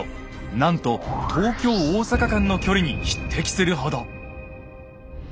なんと東京・大阪間の距離に匹敵するほど。